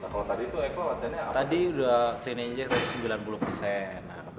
kalau tadi itu eko latihannya apa